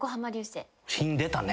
品出たね。